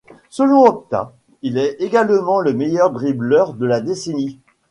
Selon Opta, il est également le meilleur dribbleur de la décennie.